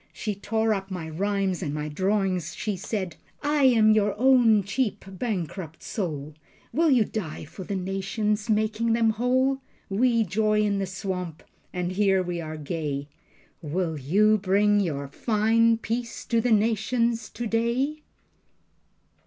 She tore up my rhymes and my drawings. She said: "I am your own cheap bankrupt soul. Will you die for the nations, making them whole? We joy in the swamp and here we are gay. WILL YOU BRING YOUR FINE PEACE TO THE NATIONS TODAY?"